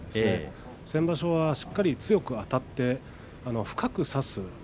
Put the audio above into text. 先場所はしっかりと強くあたって深く差す。